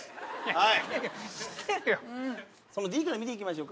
はい。